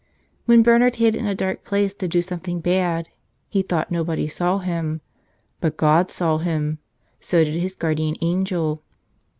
When Bernard hid in a dark place to do something bad he thought nobody saw him. But God saw him. So did his Guardian Angel.